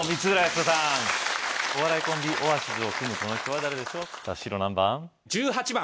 お笑いコンビ・オアシズを組むこの人は誰でしょうさぁ白何番？